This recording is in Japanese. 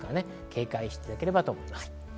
警戒していただければと思います。